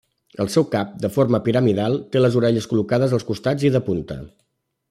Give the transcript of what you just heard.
El seu cap, de forma piramidal, té les orelles col·locades als costats i de punta.